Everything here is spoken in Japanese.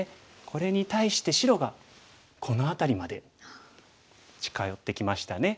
これに対して白がこの辺りまで近寄ってきましたね。